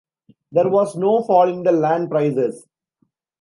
There was no fall in the land prices.